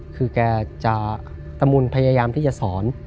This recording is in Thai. คือแกจะตะมุนพยายามที่จะสอน